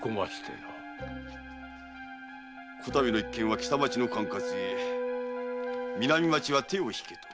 此度の一件は北町の管轄ゆえ南町は手を引けと？